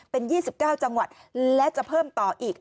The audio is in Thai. เป็น๒๙จังหวัดและจะเพิ่มต่ออีก